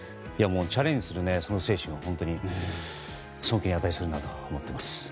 チャレンジする精神は、本当に尊敬に値するなと思っています。